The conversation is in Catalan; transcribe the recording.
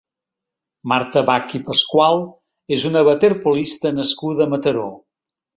Marta Bach i Pascual és una waterpolista nascuda a Mataró.